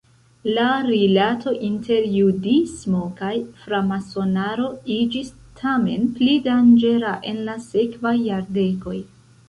La rilato inter judismo kaj framasonaro iĝis tamen pli danĝera en la sekvaj jardekoj.